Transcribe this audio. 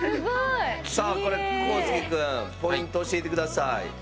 さあこれこうすけくんポイント教えてください。